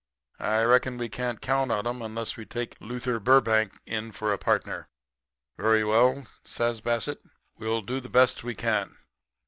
I reckon we can't count on them unless we take Luther Burbank in for a partner.' "'Very well,' says Bassett, 'we'll do the best we can.